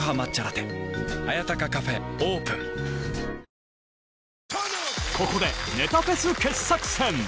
さらに、ここで、ネタフェス傑作選。